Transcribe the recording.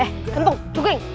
eh kentung cungkring